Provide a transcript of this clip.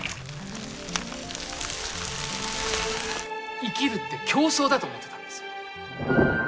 生きるって競争だと思ってたんです。